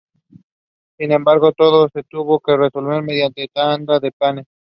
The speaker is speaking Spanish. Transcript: Sin embargo, todo se tuvo que resolver mediante tanda de penales.